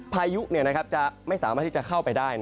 พายุจะไม่สามารถที่จะเข้าไปได้